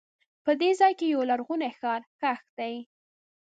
په دې ځای کې یو لرغونی ښار ښخ دی.